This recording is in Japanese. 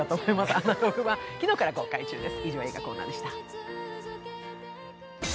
「アナログ」は昨日から公開中です。